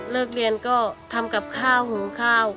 เลิกเรียนก็ทำกับข้าวหุงข้าว